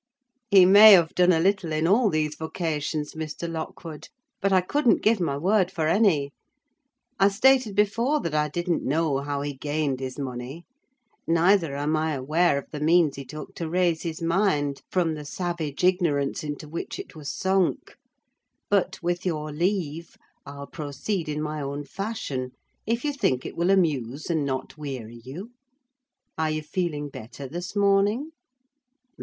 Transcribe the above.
"He may have done a little in all these vocations, Mr. Lockwood; but I couldn't give my word for any. I stated before that I didn't know how he gained his money; neither am I aware of the means he took to raise his mind from the savage ignorance into which it was sunk: but, with your leave, I'll proceed in my own fashion, if you think it will amuse and not weary you. Are you feeling better this morning?"